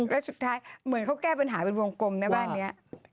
แล้วสุดท้ายเหมือนเขาแก้ปัญหาเป็นวงกลมนะบ้านนี้